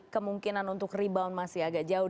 kemungkinan untuk rebound masih agak jauh